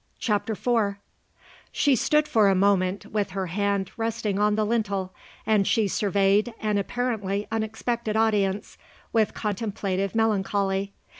CHAPTER IV She stood for a moment, with her hand resting on the lintel, and she surveyed an apparently unexpected audience with contemplative melancholy.